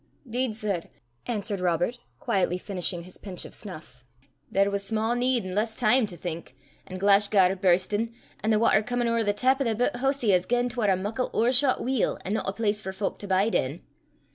"'Deed, sir," answered Robert, quietly finishing his pinch of snuff, "there was sma' need, an' less time to think, an' Glashgar bursten, an' the watter comin' ower the tap o' the bit hoosie as gien 'twar a muckle owershot wheel, an' no a place for fowk to bide in.